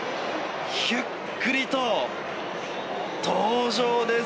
ゆっくりと登場です。